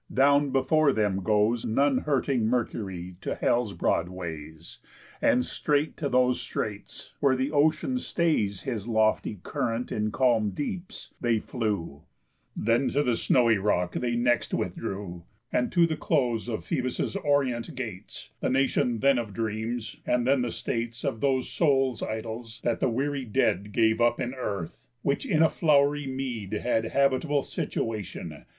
Down before them goes None hurting Mercury to Hell's broad ways, And straight to those straits; where the ocean stays His lofty current in calm deeps, they flew, Then to the snowy rock they next withdrew, And to the close of Phœbus' orient gates, The nation then of dreams, and then the states Of those souls' idols that the weary dead Gave up in earth, which in a flow'ry mead Had habitable situatión.